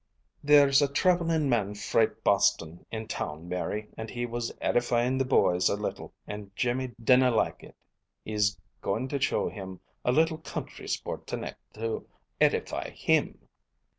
"There's a traveling man frae Boston in town, Mary, and he was edifying the boys a little, and Jimmy dinna like it. He's going to show him a little country sport to nicht to edify him."